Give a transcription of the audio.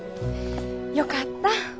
よかった。